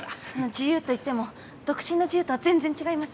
自由といっても独身の自由とは全然違います。